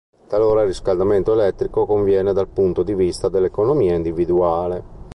Talora il riscaldamento elettrico conviene dal punto di vista dell'economia individuale.